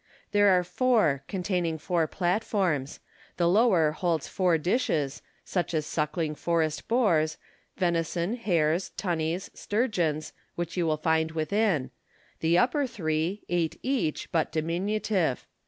There are four, containing four platforms. The lower holds four dishes, such as sucking forest boars, venison, hares, tunnies, sturgeons, which you will find within ; the upper three, eight each, but diminutive.